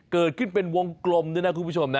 เกิดขึ้นเป็นวงกลมด้วยนะคุณผู้ชมนะ